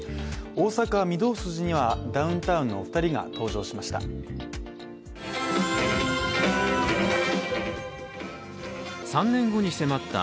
大阪・御堂筋にはダウンタウンの２人が登場しました。